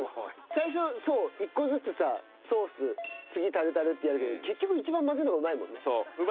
最初そう一個ずつさソース次タルタルってやるけど結局一番混ぜるのがうまいもんね。